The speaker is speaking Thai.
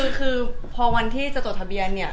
คือคือป่าววันที่จะตกทะเบียนเนี่ย